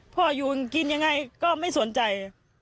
พ่ออยู่กินยังไงก็ไม่สนใจ